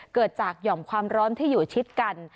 เกิดจากหย่อมความร้อนที่อยู่ชิดกัน